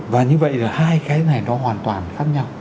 và như vậy là hai cái này nó hoàn toàn khác nhau